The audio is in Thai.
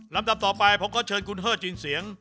ลำตามต่อไปผมก็เชิญคุณเฮศจินเสียง